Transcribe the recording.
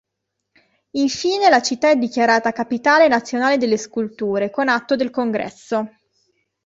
Infine, la città è dichiarata "capitale nazionale delle sculture", con atto del Congresso.